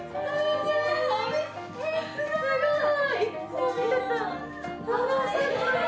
すごーい！